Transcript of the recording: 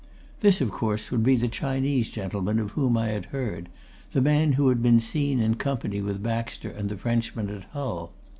This, of course, would be the Chinese gentleman of whom I had heard the man who had been seen in company with Baxter and the Frenchman at Hull.